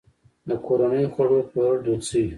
د کورنیو خوړو پلورل دود شوي؟